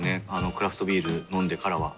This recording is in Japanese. クラフトビール飲んでからは。